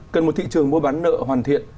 cần một thị trường mua bán nợ hoàn thiện